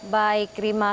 baik terima kasih